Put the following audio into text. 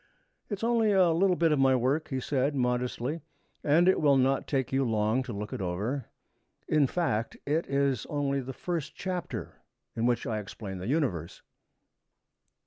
'It is only a little bit of my work,' he said modestly, 'and it will not take you long to look it over. In fact it is only the first chapter, in which I explain the Universe.'